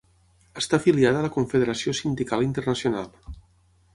Està afiliada a la Confederació Sindical Internacional.